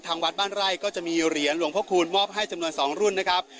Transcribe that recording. วัดบ้านไร่ก็จะมีเหรียญหลวงพระคูณมอบให้จำนวน๒รุ่นนะครับ